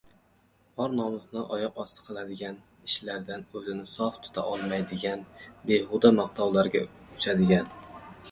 or-nomusni oyoqosti qiladigan ishlardan o‘zini sof tuta olmaydigan, behuda maqtovlarga uchadigan